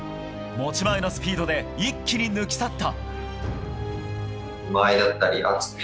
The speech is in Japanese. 持ち前のスピードで一気に抜き去った。